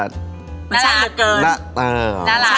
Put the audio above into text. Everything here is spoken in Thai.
น่ารัก